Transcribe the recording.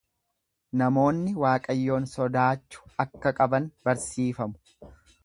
Namoonni Waaqayyoon sodaachu akka qaban barsiifamu.